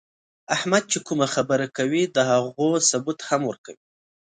احمد چې کومه خبره کوي، د هغو ثبوت هم ورکوي.